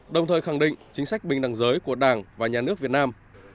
đồng thời khẳng định chính sách bình đẳng giới của đảng và nhà nước việt nam